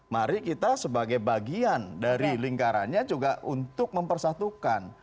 mari kita sebagai bagian dari lingkarannya juga untuk mempersatukan